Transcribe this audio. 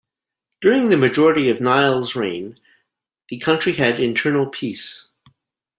During the majority of Niels' reign, the country had internal peace.